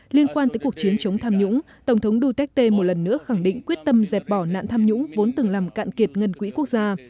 liên quan tới cuộc chiến chống tham nhũng tổng thống duterte một lần nữa khẳng định quyết tâm dẹp bỏ nạn tham nhũng vốn từng làm cạn kiệt ngân quỹ quốc gia